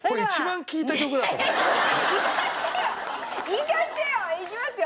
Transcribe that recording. いかせてよ！いきますよ！